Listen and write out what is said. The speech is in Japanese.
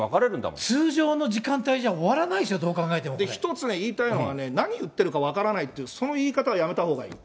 そしたら通常の時間帯じゃ終わらないでしょう、一つ、言いたいのがね、何言ってるか分からないっていう、その言い方はやめたほうがいい。